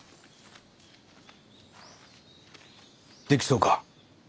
できそうか？